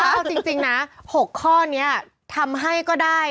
เอาจริงนะ๖ข้อนี้ทำให้ก็ได้